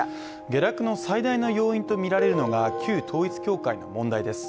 下落の最大の要因とみられるのが旧統一教会の問題です。